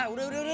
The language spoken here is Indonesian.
udah udah udah